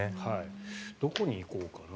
どこに行こうかな。